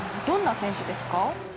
どんな選手ですか？